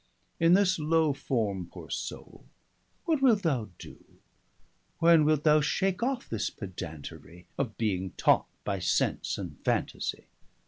In this low forme, poore soule, what wilt thou doe? 290 When wilt thou shake off this Pedantery, Of being taught by sense, and Fantasie?